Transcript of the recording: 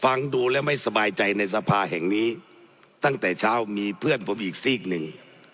ฟังดูแล้วไม่สบายใจในสภาแห่งนี้ตั้งแต่เช้ามีเพื่อนผมอีกซีกหนึ่ง